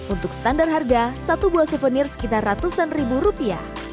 untuk standar harga satu buah souvenir sekitar ratusan ribu rupiah